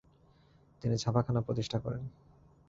তিনি ছাপাখানা প্রতিষ্ঠা করেন।